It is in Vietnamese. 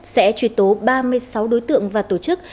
sẽ truy tố ba mươi sáu đối tượng và tổ chức